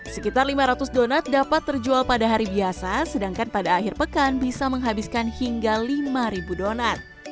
sekitar lima ratus donat dapat terjual pada hari biasa sedangkan pada akhir pekan bisa menghabiskan hingga lima donat